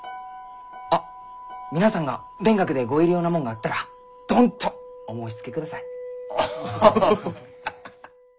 あっ皆さんが勉学でご入り用なもんがあったらどんとお申しつけください。